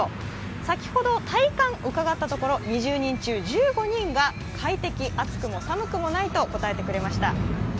先ほど体感を伺ったところ、２０人中１９人が快適、暑くも寒くもないと答えてくれました。